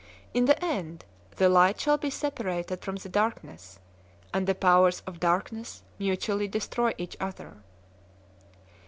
In the end, the light shall be separated from the darkness, and the powers of darkness mutually destroy each other.